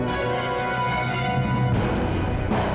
jadi tengah principio